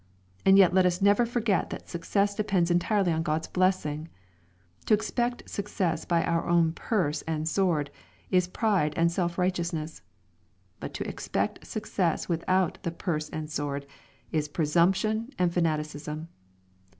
And yet let us never forget that success depends entirely on God's* blessing I To expect success by our own "purse" and "sword" is pride and self righteousness. But to expect success without the " purse and sword" is presumption and fanaticism.